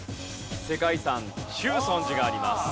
世界遺産中尊寺があります。